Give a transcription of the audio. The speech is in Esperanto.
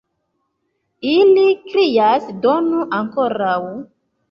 Ili krias: donu ankoraŭ!